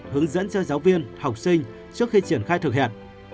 hướng dẫn cho giáo viên học sinh trước khi triển khai thực hiện